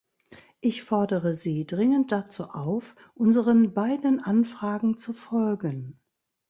Ich fordere Sie dringend dazu auf, unseren beiden Anfragen zu folgen.